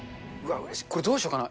これ、どうしようかな。